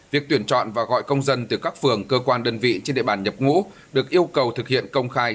việc tuyển chọn và gọi công dân từ các phường cơ quan đơn vị trên địa bàn nhập ngũ được yêu cầu thực hiện công khai